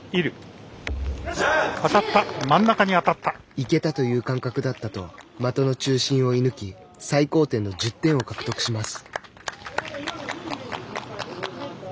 いけたという感覚だったと的の中心を射抜き最高点の１０点を獲得します。